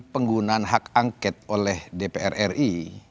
penggunaan hak angket oleh dpr ri